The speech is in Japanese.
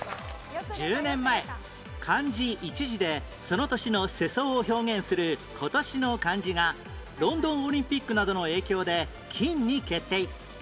１０年前漢字１字でその年の世相を表現する「今年の漢字」がロンドンオリンピックなどの影響で「金」に決定